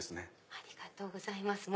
ありがとうございます。